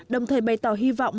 đồng thời bày tỏ hy vọng